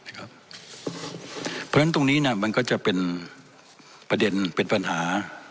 เพราะฉะนั้นตรงนี้มันก็จะเป็นประเด็นเป็นปัญหา